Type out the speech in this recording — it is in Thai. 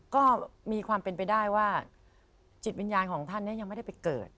ก็มีความเป็นไปได้ว่าจิตวิญญาณของท่านยังไม่ได้ไปเกิด